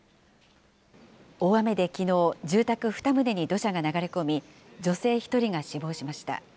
大雨できのう、住宅２棟に土砂が流れ込み、女性１人が死亡しました。